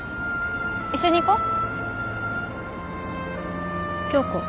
一緒に行こう？